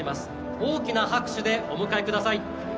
大きな拍手でお迎えください。